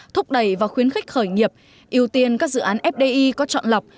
thúc đẩy và khuyến khích khởi nghiệp ưu tiên các dự án fdi có chọn lọc